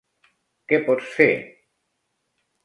Què pots fer?